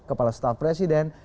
kepala staf presiden